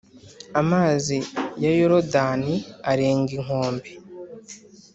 amazi ya Yorodani arenga inkombe